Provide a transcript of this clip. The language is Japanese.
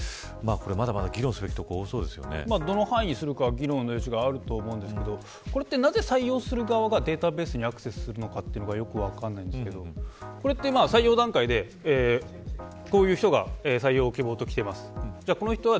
まだまだ議論すべきところどの範囲にするか議論の余地があると思うんですがなぜ、採用する側がデータベースにアクセスするのかということがよく分からないんですけれど採用段階でこういう人が採用希望ときています。